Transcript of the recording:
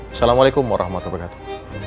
assalamualaikum warahmatullahi wabarakatuh